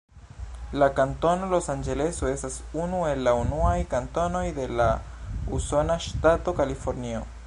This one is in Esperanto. La kantono Los-Anĝeleso estas unu el la unuaj kantonoj de la usona ŝtato Kalifornio.